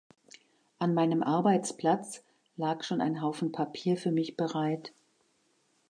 An meinem Arbeitsplatz lag schon ein Haufen Papier für mich bereit.